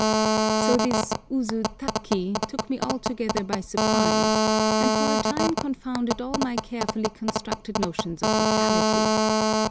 So this Usu taki took me altogether by surprise, and for a time confounded all my carefully constructed notions of locality.